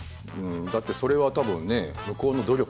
だってそれは多分ね向こうの努力だしね。